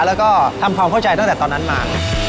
แล้วก็ทำความเข้าใจตั้งแต่ตอนนั้นมา